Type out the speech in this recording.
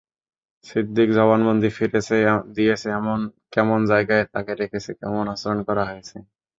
সিদ্দিক জবানবন্দি দিয়েছে কেমন জায়গায় তাকে রেখেছে, কেমন আচরণ করা হয়েছে।